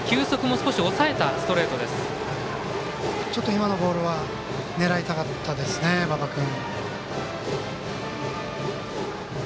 今のボールは狙いたかったですね、馬場君。